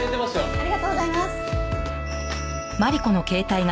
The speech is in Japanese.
ありがとうございます。